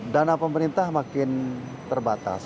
dana pemerintah makin terbatas